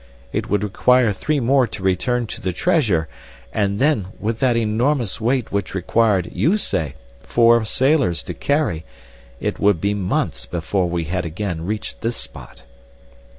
It would require three more to return to the treasure, and then, with that enormous weight which required, you say, four sailors to carry, it would be months before we had again reached this spot."